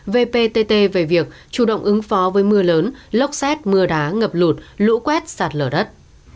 vpt về việc chủ động ứng phó với mưa lớn lốc xét mưa đá ngập lụt lũ quét sạt lở đất